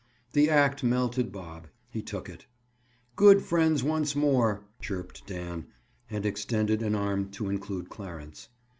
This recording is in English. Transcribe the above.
The act melted Bob. He took it. "Good friends, once more!" chirped Dan, and extended an arm to include Clarence.